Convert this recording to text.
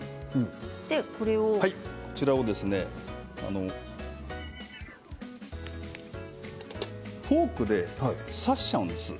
こちらをフォークで刺しちゃうんです。